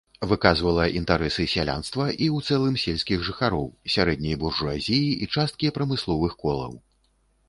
Выказвала інтарэсы сялянства і ў цэлым сельскіх жыхароў, сярэдняй буржуазіі і часткі прамысловых колаў.